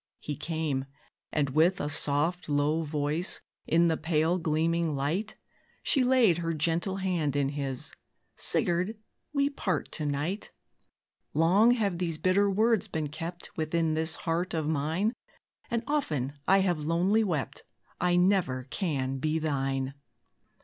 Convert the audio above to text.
He came, and, with a soft, low voice, In the pale gleaming light, She laid her gentle hand in his "Sigurd, we part to night. Long have these bitter words been kept Within this heart of mine, And often have I lonely wept, I never can be thine."